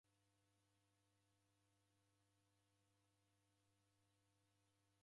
Mtalo ghwa w'ana w'a skulu ghwaserie.